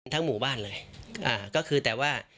ทั้งหมู่บ้านเลย